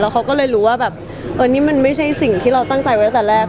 เขาก็เลยรู้ว่าแบบเออนี่มันไม่ใช่สิ่งที่เราตั้งใจไว้ตั้งแต่แรก